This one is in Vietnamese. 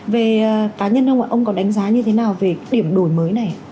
về cá nhân ông ạ ông có đánh giá như thế nào về điểm đổi mới này